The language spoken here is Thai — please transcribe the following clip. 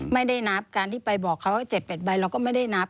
ไม่ได้นับการที่ไปบอกเขาว่า๗๘ใบเราก็ไม่ได้นับ